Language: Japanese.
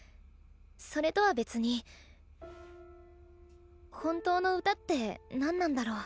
それとは別に本当の歌って何なんだろう？